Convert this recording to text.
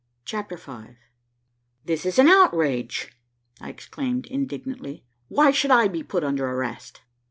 CHAPTER V "This is an outrage," I exclaimed indignantly. "Why should I be put under arrest?"